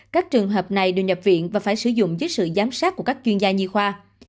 các trường hợp này được nhập viện và phải sử dụng dưới sự giám sát của các chuyên gia nhi khoa